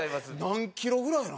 何キロぐらいなん？